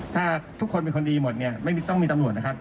ถ้าทุกคนเป็นคนดีหมดเนี่ยไม่ต้องมีตำรวจนะครับ